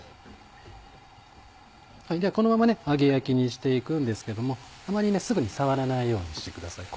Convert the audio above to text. このまま揚げ焼きにして行くんですけどもあまりすぐに触らないようにしてください。